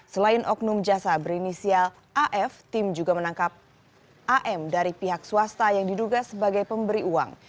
selain oknum jasa berinisial af tim juga menangkap am dari pihak swasta yang diduga sebagai pemberi uang